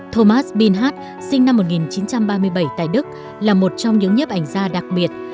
thomas bilhart sinh năm một nghìn chín trăm ba mươi bảy tại đức là một trong những nhếp ảnh gia đặc biệt